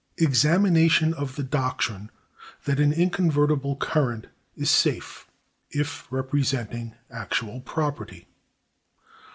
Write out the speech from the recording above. Examination of the doctrine that an inconvertible Current is safe, if representing actual Property.